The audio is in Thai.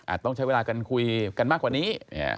ต้องใช้เวลากันคุยกันมากกว่านี้